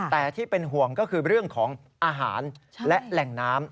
แต่ที่เป็นห่วงก็คือเรื่องของอาหารและแหล่งน้ำ